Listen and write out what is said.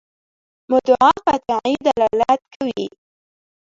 مدعا قطعي دلالت کوي.